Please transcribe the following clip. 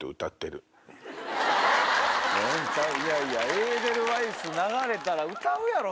『エーデルワイス』流れたら歌うやろ！